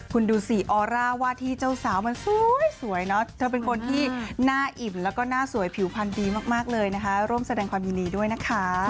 คุณดูสิออร่าว่าที่เจ้าสาวมันสวยเนอะเธอเป็นคนที่น่าอิ่มแล้วก็หน้าสวยผิวพันธ์ดีมากเลยนะคะร่วมแสดงความยินดีด้วยนะคะ